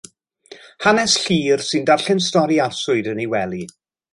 Hanes Llŷr, sy'n darllen stori arswyd yn ei wely.